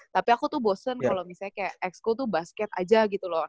tapi aku tuh bosen kalo misalnya kayak ex school tuh basket aja gitu loh